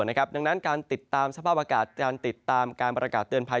จากนั้นติดตามสภาพอากาศติดตามการปรากฎเตือนภัย